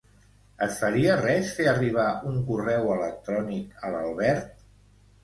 Et faria res fer arribar un correu electrònic a l'Albert?